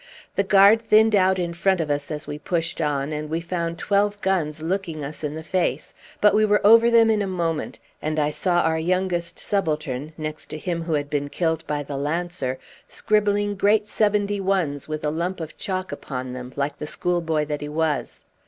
The Guard thinned out in front of us as we pushed on, and we found twelve guns looking us in the face, but we were over them in a moment; and I saw our youngest subaltern, next to him who had been killed by the lancer, scribbling great 71's with a lump of chalk upon them, like the schoolboy that he was.